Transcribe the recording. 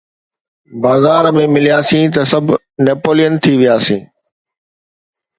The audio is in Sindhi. بازار ۾ ملياسين ته سڀ نيپولين ٿي وياسين.